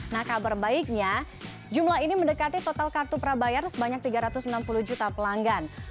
nah kabar baiknya jumlah ini mendekati total kartu prabayar sebanyak tiga ratus enam puluh juta pelanggan